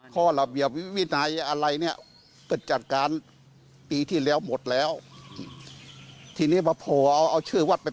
ข้อระเบียบวินัยอะไรเนี่ยก็จัดการปีที่แล้วหมดแล้วทีนี้พอเอาชื่อวัดไป